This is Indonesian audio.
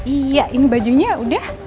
iya ini bajunya udah